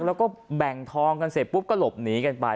แล้วก็แบ่งทองกันเสร็จปุ๊บก็หลบหนีกันไป